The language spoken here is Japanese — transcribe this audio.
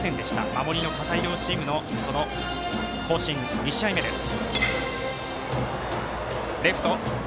守りの堅い両チームの甲子園２試合目です。